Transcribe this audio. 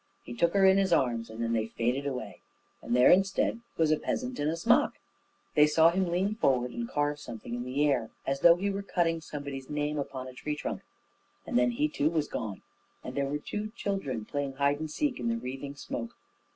He took her in his arms, and then they faded away; and there instead was a peasant in a smock. They saw him lean forward and carve something in the air, as though he were cutting somebody's name upon a tree trunk; and then he too was gone, and there were two children playing hide and seek in the wreathing smoke.